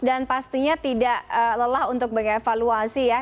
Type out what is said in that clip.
dan pastinya tidak lelah untuk bengevaluasi ya